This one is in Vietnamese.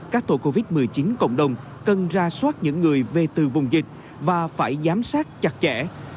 các tổ covid một mươi chín cộng đồng cần ra soát những người về từ vùng dịch và phải giám sát chặt chẽ